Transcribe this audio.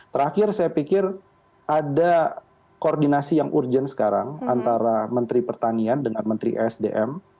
terakhir saya pikir ada koordinasi yang urgent sekarang antara menteri pertanian dengan menteri esdm